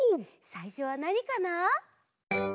さいしょはなにかな？